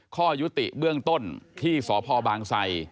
ข้อยุติเบื้องต้นที่สพบางไซ